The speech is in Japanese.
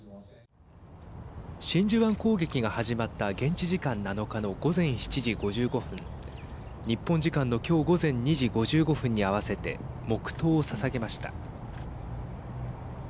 真珠湾攻撃が始まった現地時間７日の午前７時５５分日本時間の今日午前２時５５分に合わせて黙とうをささげました。